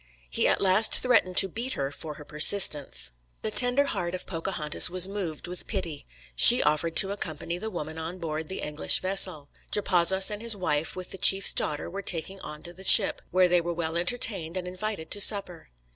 He at last threatened to beat her for her persistence. The tender heart of Pocahontas was moved with pity; she offered to accompany the woman on board the English vessel. Japazaws and his wife with the chief's daughter were taken on to the ship, where they were well entertained and invited to supper.